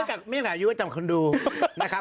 ไม่จำกัดอายุก็จำคนดูนะครับผม